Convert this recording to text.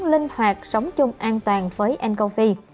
linh hoạt sống chung an toàn với ncov